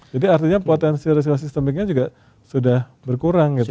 jadi artinya potensi risiko sistemiknya juga sudah berkurang gitu ya